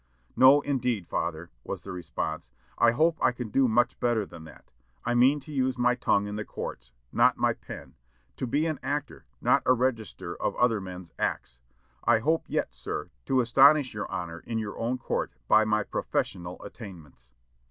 "No, indeed, father," was the response, "I hope I can do much better than that. I mean to use my tongue in the courts, not my pen; to be an actor, not a register of other men's acts. I hope yet, sir, to astonish your honor in your own court by my professional attainments."